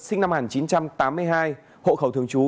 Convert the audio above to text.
sinh năm một nghìn chín trăm tám mươi hai hộ khẩu thường trú